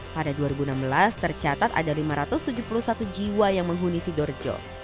pada dua ribu enam belas tercatat ada lima ratus tujuh puluh satu jiwa yang menghuni sidoarjo